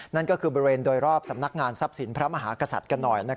นั่นก็คือบริเวณโดยรอบสำนักงานทรัพย์สินพระมหากษัตริย์กันหน่อย